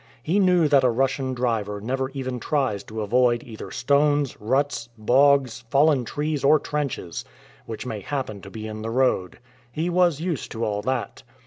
He knew that a Russian driver never even tries to avoid either stones, ruts, bogs, fallen trees, or trenches, which may happen to be in the road. He was used to all that.